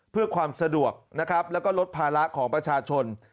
เพื่อความสะดวกนะครับแล้วก็ลดภาระของประชาชน